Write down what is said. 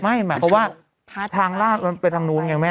ไม่เหมือนว่าทางล่างมันเป็นทางนู้นไงแม่